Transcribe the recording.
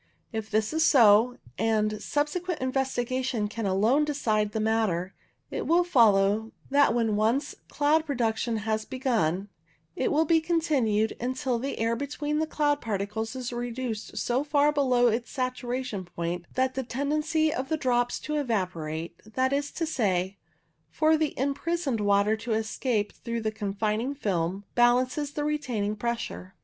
If this is so, and subsequent investigation can alone decide the matter, it will follow that when once cloud pro duction has begun it will be continued until the air between the cloud particles is reduced so far below its saturation point that the tendency of the drops to evaporate, that is to say, for the imprisoned water to escape through the confining film, balances the retaining pressure.